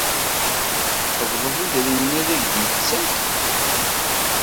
Tqebbleḍ idrimen ay ak-d-yettakf.